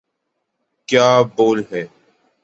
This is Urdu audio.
کیا بول ہیں۔